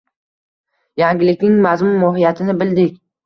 Yangilikning mazmun-mohiyatini bildik.